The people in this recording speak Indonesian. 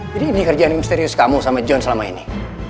jadi ini kerjaan misterius kamu sama john selama ini